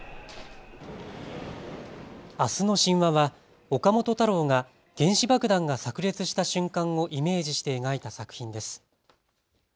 明日の神話は岡本太郎が原子爆弾がさく裂した瞬間をイメージして描いた作品です。